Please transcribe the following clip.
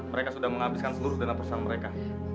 mereka sudah menghabiskan seluruh dana perusahaan mereka